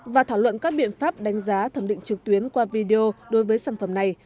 và thảo luận các biện pháp đánh giá thẩm định trực tuyến qua video đối với sản phẩm này